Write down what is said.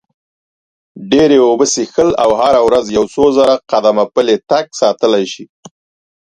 ډېرې اوبه څښل او هره ورځ یو څو زره قدمه پلی تګ ساتلی شي.